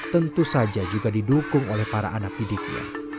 tentu saja juga didukung oleh para anak didiknya